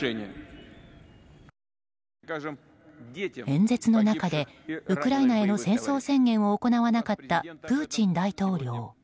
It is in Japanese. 演説の中でウクライナへの戦争宣言を行わなかったプーチン大統領。